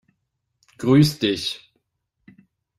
Grüß dich!